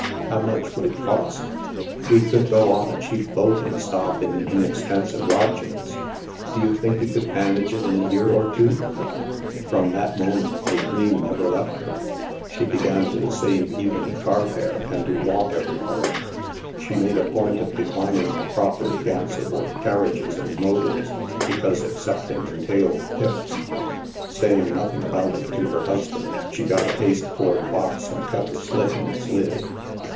How much would it cost ? We could go on a cheap boat and stop in inexpensive lodgings? Do you think we could manage it in a year or two ?" From that moment, the dream never left her. « She began to save even carfare and to walk every where. She made a point of declining the proffered Gansevoort carriages and motors, because accept ance entailed tips. Saying nothing about it to her husband, she got a pasteboard box and cut a slit in its lid.